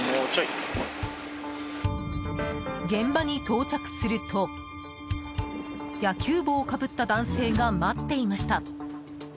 現場に到着すると野球帽をかぶった男性が待っていました。